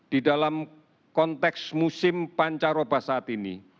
di dalam konteks musim pancaroba saat ini